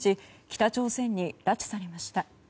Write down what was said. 北朝鮮に拉致されました。